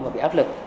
và bị áp lực